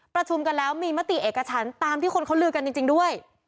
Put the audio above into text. ประชุมกันแล้วมีมติเอกชั้นตามที่คนเขาลือกันจริงด้วย